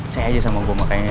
say aja sama gue makannya